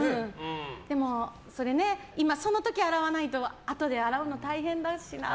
でも、今、その時洗わないとあとで洗うの大変だしな。